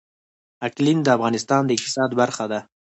اقلیم د افغانستان د اقتصاد برخه ده.